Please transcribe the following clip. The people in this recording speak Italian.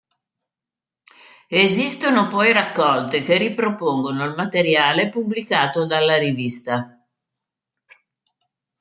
Esistono poi raccolte che ripropongono il materiale pubblicato dalla rivista.